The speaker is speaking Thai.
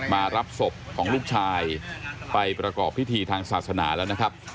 มารับศพของลูกชายไปประกอบพิธีทางศาสนาแล้วนะครับ